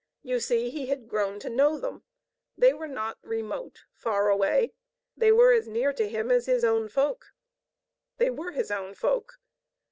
You see, he had grown to know them. They were not remote, far away. They were as near to him as his own folk. They were his own folk.